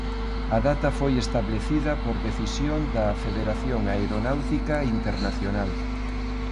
A data foi establecida por decisión da Federación Aeronáutica Internacional.